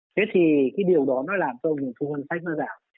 thế thì cái điều đó nó làm cho nguồn thu ngân sách nó giảm